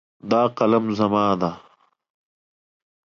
دا قلم زما ده